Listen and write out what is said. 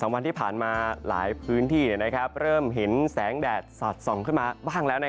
วันที่ผ่านมาหลายพื้นที่เริ่มเห็นแสงแดดสอดส่องขึ้นมาบ้างแล้ว